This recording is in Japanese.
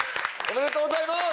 おめでとうございます！